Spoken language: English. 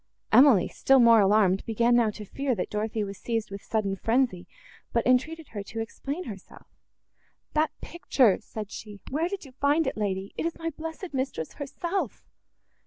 Emily, still more alarmed, began now to fear, that Dorothée was seized with sudden frenzy, but entreated her to explain herself. "That picture!" said she, "where did you find it, lady? it is my blessed mistress herself!"